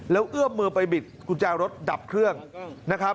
แล้วเอื้อมมือไปบิดกุญแจรถดับเครื่องนะครับ